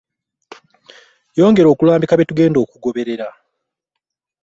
Yongera okulambika bye tugenda okugoberera.